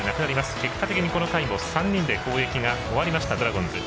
結果的にこの回も３人で攻撃が終わりましたドラゴンズ。